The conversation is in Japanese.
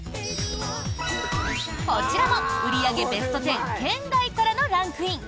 こちらも売り上げベスト１０圏外からのランクイン！